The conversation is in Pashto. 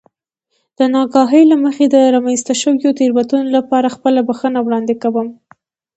د نااګاهۍ له مخې رامنځته شوې تېروتنې لپاره خپله بښنه وړاندې کوم.